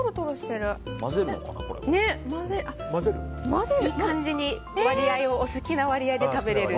いい感じにお好きな割合で食べれる。